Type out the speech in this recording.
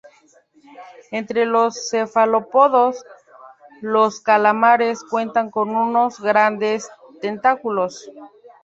Entre los cefalópodos, los calamares cuentan con unos grandes tentáculos.